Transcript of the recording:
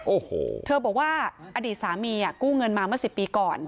โอ้โหเธอบอกว่าอดีตสามีอ่ะกู้เงินมาเมื่อสิบปีก่อน